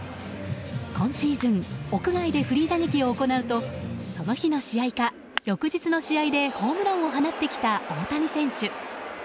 今シーズン屋外でフリー打撃を行うとその日の試合か翌日の試合でホームランを放ってきた大谷選手。